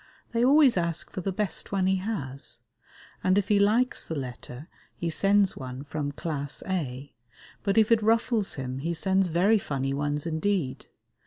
They always ask for the best one he has, and if he likes the letter he sends one from Class A; but if it ruffles him he sends very funny ones indeed.